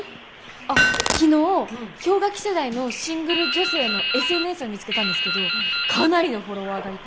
あっ昨日氷河期世代のシングル女性のＳＮＳを見つけたんですけどかなりのフォロワーがいて。